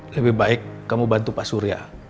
lebih baik kamu bantu pak surya